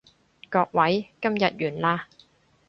各位，今日完啦